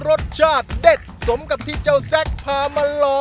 บอกได้เลยว่าอร่อยเชียบ